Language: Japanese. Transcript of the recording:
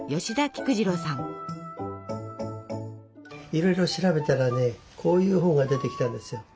いろいろ調べたらねこういう本が出てきたんです。